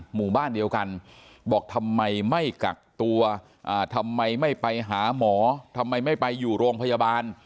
หมู่บ้านเดียวกันบอกทำไมไม่กักตัวทำไมไม่ไปหาหมอทำไมไม่ไปอยู่โรงพยาบาล